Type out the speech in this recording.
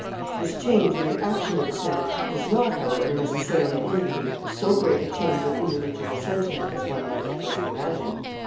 This change in the action of the Senate does not, however, necessarily indicate so great a change of individual sentiment as one might at first imagine.